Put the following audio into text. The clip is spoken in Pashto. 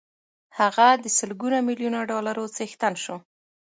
هغه د سلګونه ميليونه ډالرو څښتن شو.